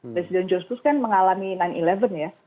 presiden george bush kan mengalami sembilan sebelas ya